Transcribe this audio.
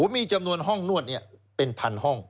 มีจำนวนห้องนวดเป็นพันห้อง